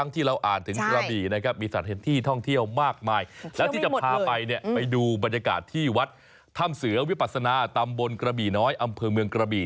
ที่จะพาไปดูบรรยากาศที่วัดธรรมเสือวิปัศนาตำบลกระบิน้อยอำเภอเมืองกระบิ